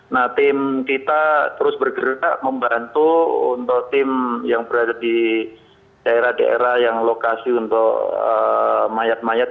nah tim kita terus bergerak membantu untuk tim yang berada di daerah daerah yang lokasi untuk mayat mayat